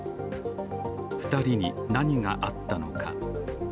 ２人に何があったのか。